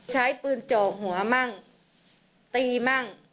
ใช้ปืนเจาะหัวมั่งตีมั่ง